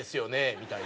みたいな。